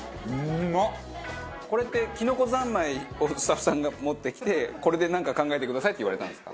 これってきのこ三昧をスタッフさんが持ってきてこれで何か考えてくださいって言われたんですか？